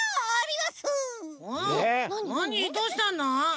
どうしたの？